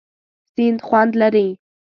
سیند خوند لري.